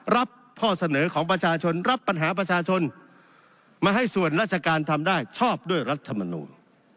รับข้อเสนอของประชาชนรับปัญหาประชาชนมาให้ส่วนราชการทำได้ชอบด้วยรัฐมนูล